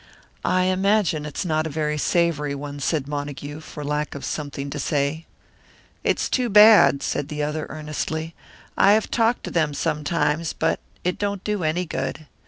"I imagine it's not a very savoury one," said Montague, for lack of something to say. "It's too bad," said the other, earnestly. "I have talked to them sometimes, but it don't do any good.